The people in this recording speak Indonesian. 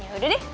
ya udah deh